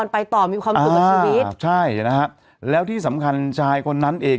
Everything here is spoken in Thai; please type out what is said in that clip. ไปต่อมีความสุขกับชีวิตครับใช่นะฮะแล้วที่สำคัญชายคนนั้นเอง